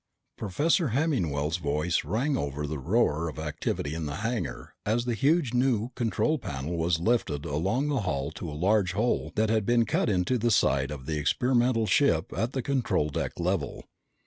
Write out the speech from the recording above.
Professor Hemmingwell's voice rang over the roar of activity in the hangar as the huge new control panel was lifted along the hull to a large hole that had been cut into the side of the experimental ship at the control deck level.